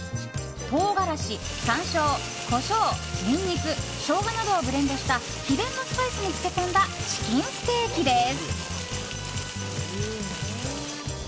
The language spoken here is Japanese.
トウガラシ、山椒、コショウニンニク、ショウガなどをブレンドした秘伝のスパイスに漬け込んだチキンステーキです。